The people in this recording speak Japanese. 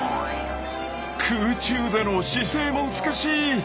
空中での姿勢も美しい！